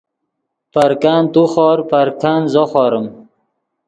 پرکند تو خور پرکند زو خوریم